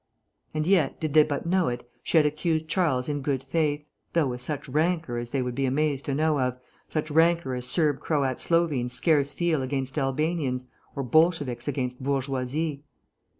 And yet, did they but know it, she had accused Charles in good faith, though with such rancour as they would be amazed to know of, such rancour as Serb Croat Slovenes scarce feel against Albanians, or Bolsheviks against Bourgeoisie.